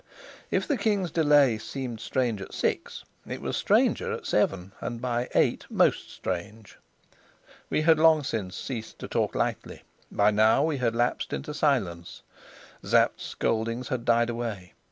If the king's delay seemed strange at six, it was stranger at seven, and by eight most strange. We had long since ceased to talk lightly; by now we had lapsed into silence. Sapt's scoldings had died away.